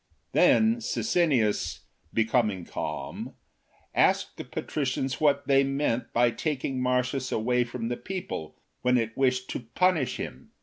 Then Sicinius, becoming calm, asked the patricians what they meant by taking Marcius away from the people when it wished to punish him.